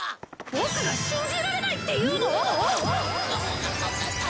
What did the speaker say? ボクが信じられないっていうの！？